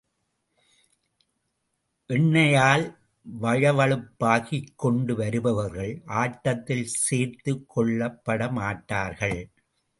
எண்ணெயால் வழவழப்பாக்கிக்கொண்டு வருபவர்கள் ஆட்டத்தில் சேர்த்துக் கொள்ளப்பட மாட்டார்கள்.